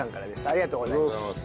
ありがとうございます。